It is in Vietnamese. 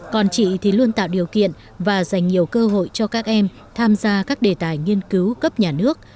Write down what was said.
còn chị thì luôn tạo điều kiện và dành nhiều cơ hội cho các em tham gia các đề tài nghiên cứu cấp nhà nước